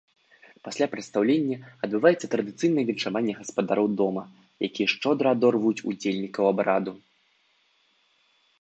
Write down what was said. Пасля прадстаўлення адбываецца традыцыйнае віншаванне гаспадароў дома, якія шчодра адорваюць удзельнікаў абраду.